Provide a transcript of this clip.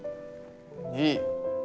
いい。